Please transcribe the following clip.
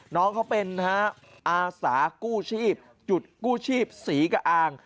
น้องเขาเป็นอาสากู้ชีพจุดกู้ชีพศรีกะอาง